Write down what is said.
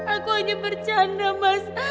aku hanya bercanda mas